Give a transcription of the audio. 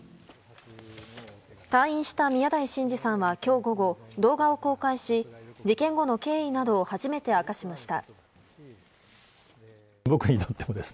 退院した宮台真司さんは今日午後、動画を公開し事件後の経緯などを初めて明かしました。